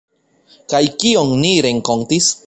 Kaj kion ni renkontis?